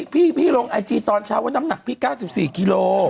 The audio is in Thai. พี่ลงไอจีตอนเช้าว่าน้ำหนักพี่๙๔กิโล